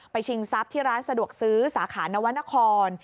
ชิงทรัพย์ที่ร้านสะดวกซื้อสาขานวรรณคร